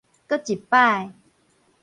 閣一擺